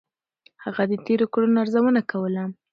هغه د تېرو کړنو ارزونه کوله.